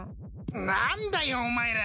何だよお前ら。